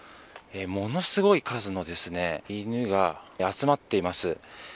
ものすごい数のですね、犬が集まっています。